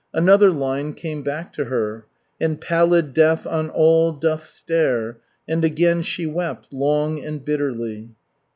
Another line came back to her: "And pallid death on all doth stare," and again she wept, long and bitterly.